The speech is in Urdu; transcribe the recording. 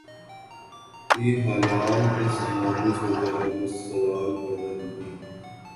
ی الحال اس ہنگامی صورتحال میں سوال ہی پیدا نہیں ہوتا